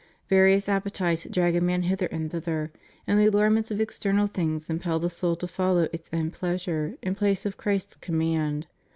Various appetites drag a man hither and thither, and the allurements of external things impel the soul to follow its own pleasure in place of Christ's cormnand.